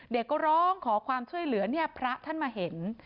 เด็กก็ร้องขอความช่วยเหลือเนี่ยพระท่านมาเห็น